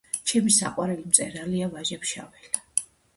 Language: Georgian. ჩემი საყვარელი მწერალია ვაჟა ფშაველა